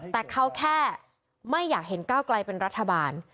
แต่เขาแค่ไม่อยากเห็นก้าวไกลเป็นรัฐบาล